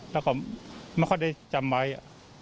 แล้วผมไม่ค่อยได้จำไว้อ่ะ